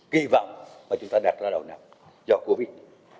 kỳ vọng mà chúng ta đạt ra đầu nào do covid